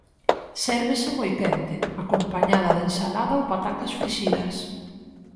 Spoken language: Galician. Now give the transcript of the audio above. Sérvese moi quente, acompañada de ensalada ou patacas frixidas.